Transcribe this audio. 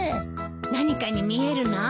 何かに見えるの？